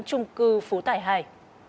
trung cư phú tải hai